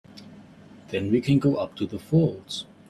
Then we can go up to the falls.